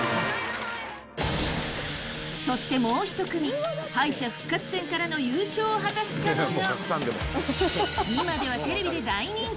そして、もう１組敗者復活戦からの優勝を果たしたのが今ではテレビで大人気！